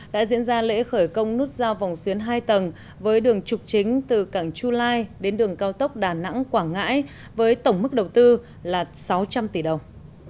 đã diễn ra lễ khởi công nút giao vòng xuyến hai tầng với đường trục chính từ cảng chu lai đến đường cao tốc đà nẵng quảng ngãi với tổng mức đầu tư là sáu trăm linh tỷ đồng